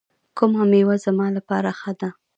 کومه میوه زما لپاره ښه ده؟